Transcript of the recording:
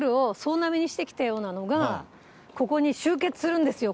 ここに集結するんですよ